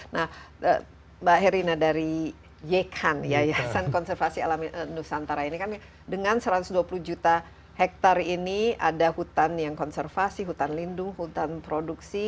nah mbak herina dari yekan yayasan konservasi alam nusantara ini kan dengan satu ratus dua puluh juta hektare ini ada hutan yang konservasi hutan lindung hutan produksi